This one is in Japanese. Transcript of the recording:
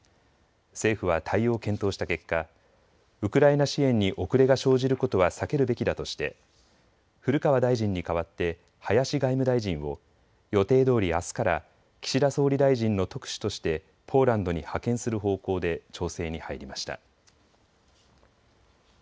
政府は対応を検討した結果、ウクライナ支援に遅れが生じることは避けるべきだとして古川大臣に代わって林外務大臣を予定どおり、あすから岸田総理大臣の特使としてポーランドに派遣する方向で調整に入りました。